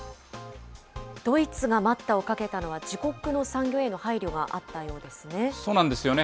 ドイツが待ったをかけたのは、自国の産業への配慮があったようそうなんですよね。